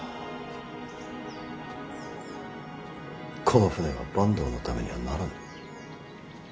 この船は坂東のためにはならぬ。